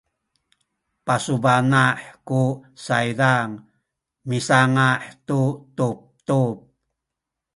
pasubana’ ku saydan misanga’ tu tubtub